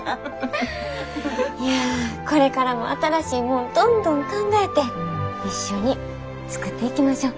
いやこれからも新しいもんどんどん考えて一緒に作っていきましょう。